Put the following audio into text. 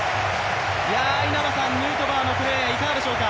稲葉さん、ヌートバーのプレーいかがでしょうか？